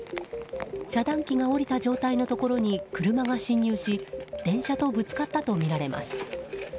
遮断機が下りた状態のところに車が進入し電車とぶつかったとみられます。